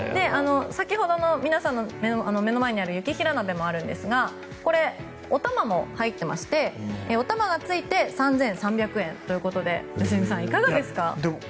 皆さんの目の前にある雪平鍋もあるんですがお玉も入っていましておたまがついて３３００円ということで良純さん、いかがですか？